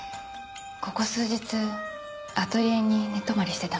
ここ数日アトリエに寝泊まりしてたので。